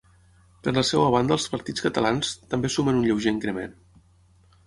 Per la seva banda els partits catalans, també sumen un lleuger increment.